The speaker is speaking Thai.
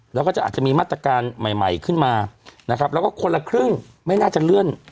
แล้วก็จะอาจจะมีมาตรการใหม่ใหม่ขึ้นมานะครับแล้วก็คนละครึ่งไม่น่าจะเลื่อน